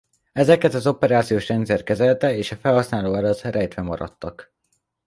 Ezeket az operációs rendszer kezelte és a felhasználó előtt rejtve maradtak.